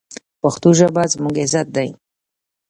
پښتو ژبه زموږ عزت دی.